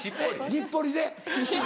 日暮里で？